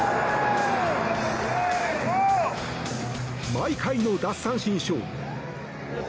毎回の奪三振ショー。